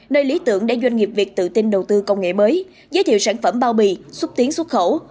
nơi lý tưởng để doanh nghiệp việt tự tin đầu tư công nghệ mới giới thiệu sản phẩm bao bì xúc tiến xuất khẩu